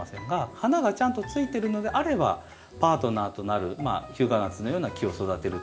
花がちゃんとついてるのであればパートナーとなるヒュウガナツのような木を育てるといいと思います。